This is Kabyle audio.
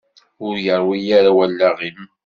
Ur yerwi ara wallaɣ-im?